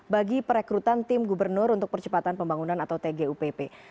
bagi perekrutan tim gubernur untuk percepatan pembangunan atau tgupp